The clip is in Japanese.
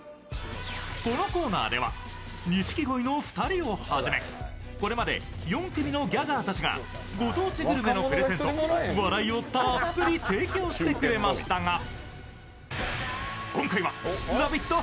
このコーナーでは錦鯉の２人を初めこれまで４組のギャガーたちがご当地グルメのプレゼンと笑いをたっぷり提供してくれましたが、今回は「ラヴィット！」